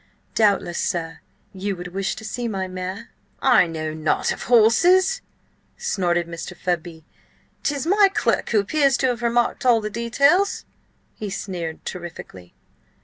"Doubtless, sir, you would wish to see my mare?" "I know nought of horses," snorted Mr. Fudby. "'Tis my clerk who appears to have remarked all the details." He sneered terrifically.